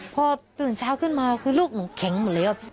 พอตื่นเช้าขึ้นมาคือลูกหนูแข็งหมดแล้ว